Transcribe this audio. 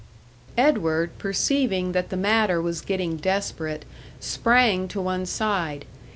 Edward, perceiving that the matter was getting desperate, sprang to one side.